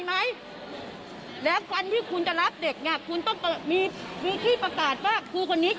หน้าโรงเรียนคุณเก็บ๕เทมก็แพง